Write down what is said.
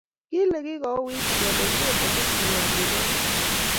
Kile ki kuoit inende mameche solwondi noto